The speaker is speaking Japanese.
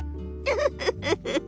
フフフフフフ。